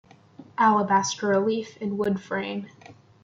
Alabaster relief in wood frame.